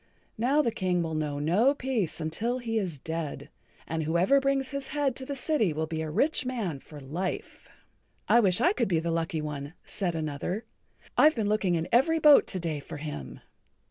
Now the King will know no peace until he[Pg 66] is dead. And whoever brings his head to the city will be a rich man for life." "I wish I could be the lucky one," said another. "I've been looking in every boat to day for him."